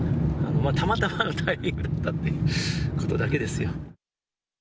たまたまのタイミングだったってことだけですよ。